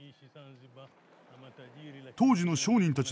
当時の商人たちの家の門。